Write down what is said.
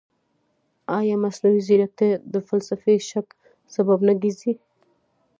ایا مصنوعي ځیرکتیا د فلسفي شک سبب نه ګرځي؟